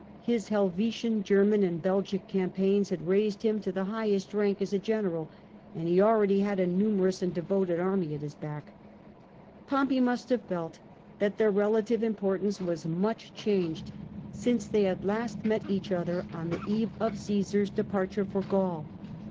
His Helvetian, German, and Belgic campaigns had raised him to the highest rank as a general, and he already had a numerous and devoted army at his back. Pompey must have felt that their relative importance was much changed since they had last met each other on the eve of Caesar's departure for Gaul.